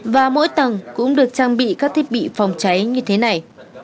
và mỗi tầng cũng được trang bị các thiết bị phòng cháy như thế này